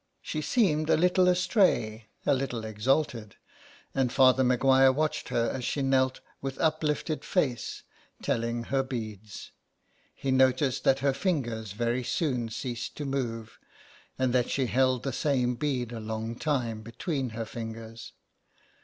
She seemed 105 SOME PARISHIONERS. a little astray, a little exalted, and Father Maguire watched her as she knelt with up lifted face, telling her beads. He noticed that her fingers very soon ceased to move ; and that she held the same bead a long time between her fingers.